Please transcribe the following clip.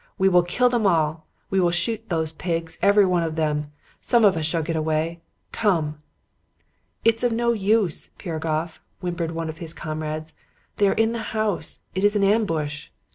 'We will kill them all! We will shoot those pigs, every one of them! Some of us shall get away. Come!' "'It is of no use, Piragoff,' whimpered one of his comrades. 'They are in the house. It is an ambush.'